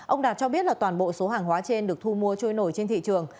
ông đạt cho biết là toàn bộ số hàng hóa trên được thu mua trôi nổi trên thị trường